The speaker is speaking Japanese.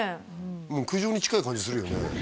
もう苦情に近い感じするよね